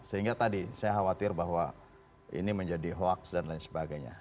sehingga tadi saya khawatir bahwa ini menjadi hoaks dan lain sebagainya